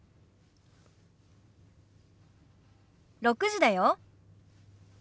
６時だよ。